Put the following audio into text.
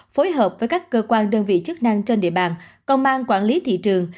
phối hợp với các cơ quan đơn vị chức năng trên địa bàn công an quản lý thị trường